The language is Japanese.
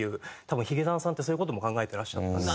多分ヒゲダンさんってそういう事も考えてらっしゃった。